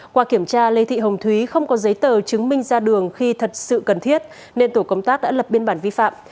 qua kiểm tra lê thị hồng thúy không có giấy tờ chứng minh ra đường khi thật sự cần thiết nên tổ công tác đã lập biên bản vi phạm